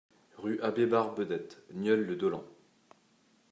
Rue Abbé Barbedette, Nieul-le-Dolent